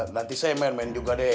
nanti saya main main juga deh